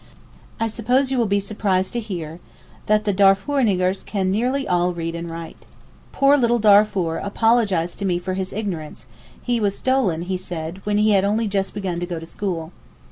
I suppose you will be surprised to hear that the Darfour 'niggers' can nearly all read and write. Poor little Darfour apologised to me for his ignorance, he was stolen he said, when he had only just begun to go to school.